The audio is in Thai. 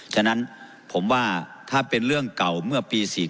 ฉะนั้นผมว่าถ้าเป็นเรื่องเก่าเมื่อปี๔๔